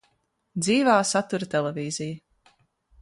Dz?v? satura telev?zija